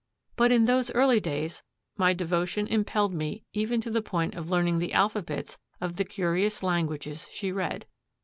But in those early days my devotion impelled me even to the point of learning the alphabets of the curious languages she read.